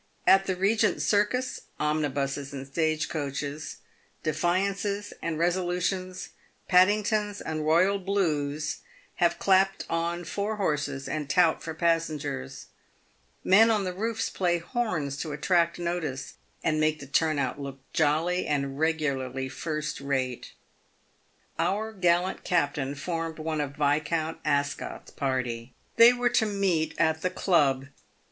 At the Eegent circus, omnibuses and stage coaches, "Defiances" and " Eesolutions," " Paddingtons" and " Eoyal Blues," have clapped on four horses, and tout for passengers ; men on the roofs play horns to attract notice, and make the turn out look jolly and regularly first rate. 218 PAVED WITH GOLD. Our gallant captain formed one of Viscount Asco't's party. They were to meet at the Club.